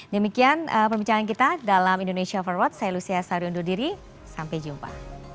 demikian perbincangan kita dalam indonesia forward saya lucia sari undur diri sampai jumpa